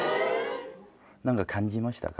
何か感じましたか？